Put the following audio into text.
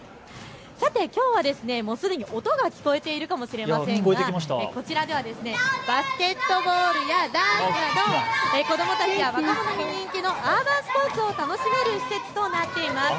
さてきょうはすでに音が聞こえているかもしれませんがこちらではバスケットボールやダンスなど子どもたちや若者に人気のアーバンスポーツを楽しむ施設となっています。